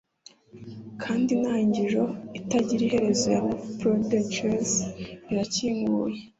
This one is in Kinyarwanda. kandi intangiriro itagira iherezo ya prodigies irakinguye